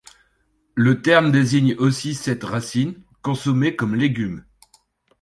Le terme désigne aussi cette racine, consommée comme légume.